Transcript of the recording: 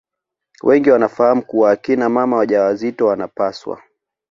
wengi wanafahamu kuwa akina mama wajawazito wanapaswa